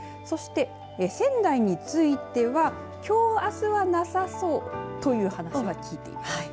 そして仙台についてはきょう、あすはなさそうという話は聞いています。